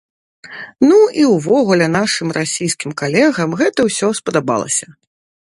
Ну, і ўвогуле нашым расійскім калегам гэта ўсё спадабалася.